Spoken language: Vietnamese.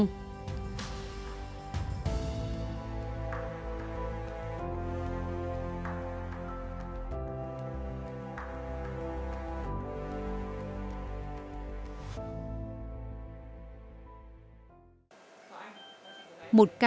phương pháp phẫu thuật